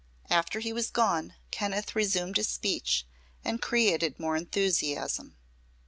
After he was gone Kenneth resumed his speech and created more enthusiasm.